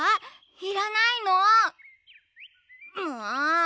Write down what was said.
いらないの？んもっ！